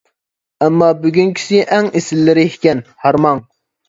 ئەمما بۈگۈنكىسى ئەڭ ئېسىللىرى ئىكەن، ھارماڭ.